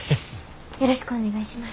よろしくお願いします。